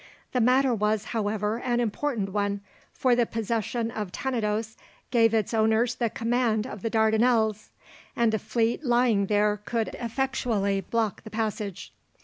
The matter was, however, an important one, for the possession of Tenedos gave its owners the command of the Dardanelles, and a fleet lying there could effectually block the passage.